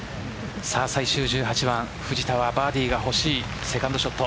最終１８番藤田はバーディーがほしいセカンドショット。